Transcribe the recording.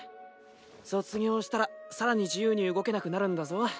卒業したら更に自由に動けなくなるんだぞ。